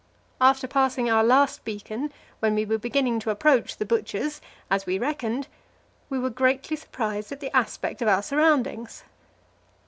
After passing our last beacon, when we were beginning to approach the Butcher's as we reckoned we were greatly surprised at the aspect of our surroundings.